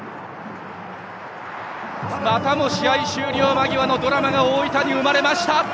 またも試合終了間際のドラマが大分に生まれました！